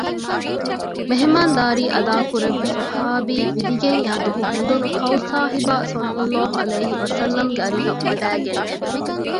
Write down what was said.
މެހުމާންދާރީ އަދާކުރެއްވި ޞަޙާބީ ވިދިގެން އައިދުވަހު ހެނދުނު ކައުސާހިބާ ޞައްލަﷲ ޢަލައިހި ވަސައްލަމަގެ އަރިހަށް ވަޑައިގެންނެވި